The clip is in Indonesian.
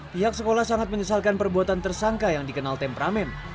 pihak sekolah sangat menyesalkan perbuatan tersangka yang dikenal temperamen